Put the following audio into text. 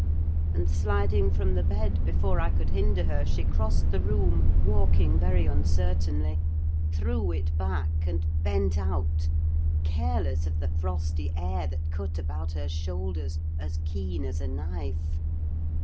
And sliding from the bed before I could hinder her, she crossed the room, walking very uncertainly, threw it back, and bent out, careless of the frosty air that cut about her shoulders as keen as a knife.